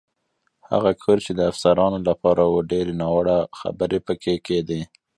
هغه کور چې د افسرانو لپاره و، ډېرې ناوړه خبرې پکې کېدې.